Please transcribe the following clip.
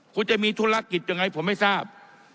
คุณจะมีธุรกิจยังไงผมไม่ทราบ